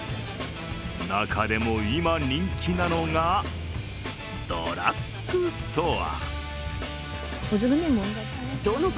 中でも今、人気なのがドラッグストア。